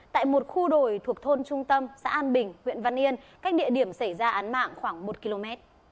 tại một khu đồi thuộc thôn trung tâm xã an bình huyện văn yên cách địa điểm xảy ra án mạng khoảng một km